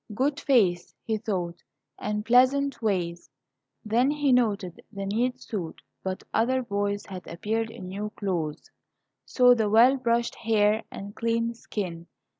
"Good face," he thought, "and pleasant ways." Then he noted the neat suit, but other boys had appeared in new clothes, saw the well brushed hair, and clean skin.